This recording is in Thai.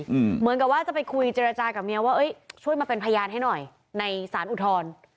เหมือนกับว่าจะไปคุยเจรจากับเมียว่าเอ้ยช่วยมาเป็นพยานให้หน่อยในสารอุทธรณ์